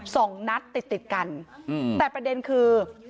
สองนัดติดกันแต่ประเด็นคือ